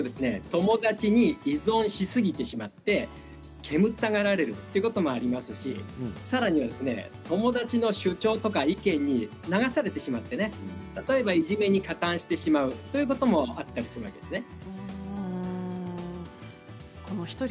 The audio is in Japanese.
友達に依存しすぎてしまって煙たがられるということがありますしさらには友達の主張とか意見に流されてしまって例えば、いじめに加担してしまうということもあったりするんですね。